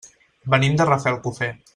Venim de Rafelcofer.